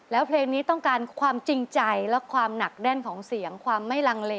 แล้วเพลงนี้ต้องการความจริงใจและความหนักแน่นของเสียงความไม่ลังเล